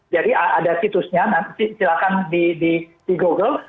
jadi ada situsnya silakan di google